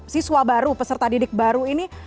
siswa baru peserta didik baru ini